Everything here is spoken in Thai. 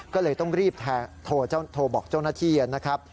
ก็เลยต้องรีบโทรบอกเจ้าหน้าที่นะครับ